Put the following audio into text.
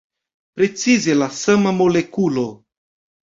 Precize la sama molekulo.